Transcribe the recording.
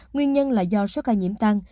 nguyên nhân là do số ca nhiễm tăng